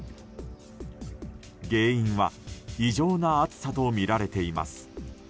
原因は、異常な暑さとみられています。